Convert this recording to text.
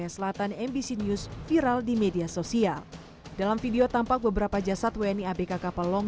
selatan mbc news viral di media sosial dalam video tampak beberapa jasad wni abk kapal long